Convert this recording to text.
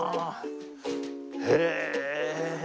へえ！